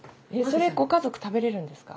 それご家族食べれるんですか？